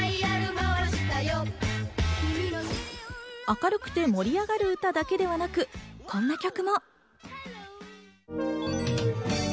明るくて盛り上がる歌だけではなく、こんな曲。